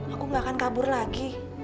aku gak akan kabur lagi